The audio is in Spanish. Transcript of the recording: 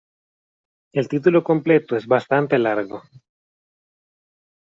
El título completo es bastante largo.